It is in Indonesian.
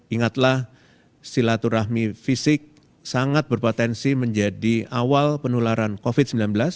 ingatlah silaturahmi fisik sangat berpotensi menjadi awal penularan covid sembilan belas